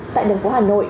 tại đường phố hà nội